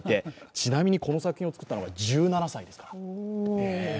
ちなみにこの作品を作ったのが１７歳ですから。